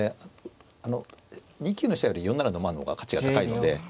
２九の飛車より４七の馬の方が価値が高いので。